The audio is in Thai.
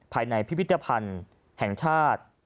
ภายในพิพิธภัณฑ์แห่งชาติ